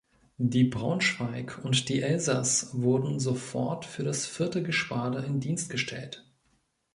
Die "Braunschweig" und die "Elsass" wurden sofort für das Vierte Geschwader in Dienst gestellt.